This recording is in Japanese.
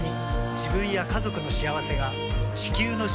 自分や家族の幸せが地球の幸せにつながっている。